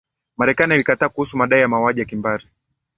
marekani ilikataa kuruhusu madai ya mauaji ya kimbari